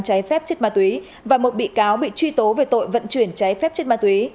trái phép chất ma túy và một bị cáo bị truy tố về tội vận chuyển cháy phép chất ma túy